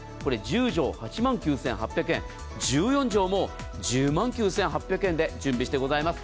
１０畳、８万９８００円１４畳も１０万９８００円で準備してございます。